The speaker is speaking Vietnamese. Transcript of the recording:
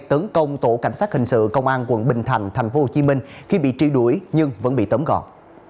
tấn công tổ cảnh sát hình sự công an quận bình thạnh tp hcm khi bị truy đuổi nhưng vẫn bị tấm gọn